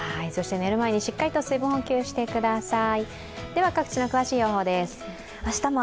寝る前にしっかりと水分補給してください。